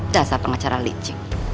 dasar pengacara licik